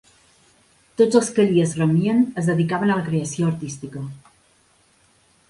Tots els que allí es reunien es dedicaven a la creació artística.